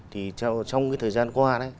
thì trong thời gian qua